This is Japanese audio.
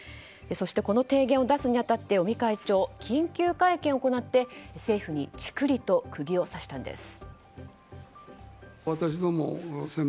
この提言を出すに当たって尾身会長、緊急会見を行って政府にちくりと釘を刺したんです。